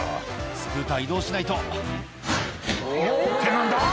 スクーター移動しないと」って何だ？